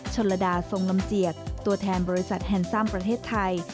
ชนลดาทรงลำเจียดตัวแทนบริษัทแฮนซัมประเทศไทย